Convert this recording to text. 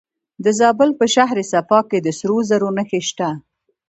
د زابل په شهر صفا کې د سرو زرو نښې شته.